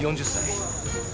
４０歳。